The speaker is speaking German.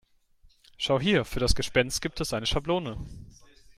Schau hier, für das Gespenst gibt es eine Schablone.